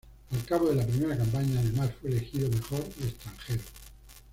Al cabo de la primera campaña, además, fue elegido mejor extranjero.